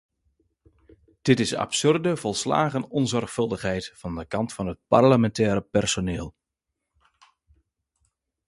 Dit is absurde, volslagen onzorgvuldigheid van de kant van het parlementaire personeel.